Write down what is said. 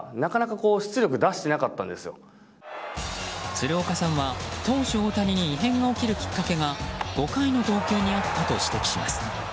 鶴岡さんは、投手・大谷に異変が起きるきっかけが５回の投球にあったと指摘します。